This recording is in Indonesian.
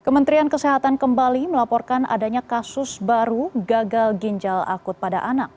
kementerian kesehatan kembali melaporkan adanya kasus baru gagal ginjal akut pada anak